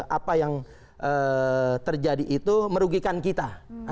apa yang terjadi itu merugikan kita